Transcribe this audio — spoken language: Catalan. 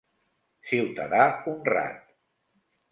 Ciutadà honrat.